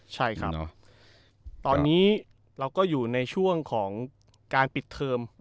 ใช่ครับตอนนี้เราก็อยู่ในช่วงของการปิดเทอม